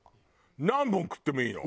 何本食ってもいいの？